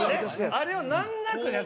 あれを難なくやると。